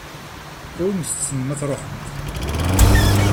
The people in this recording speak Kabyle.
Awimt-ten ma tṛuḥemt.